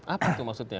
apa itu maksudnya